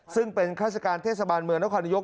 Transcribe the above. ซึ่งเป็นข้าราชการเทศบาลเมืองนครนายก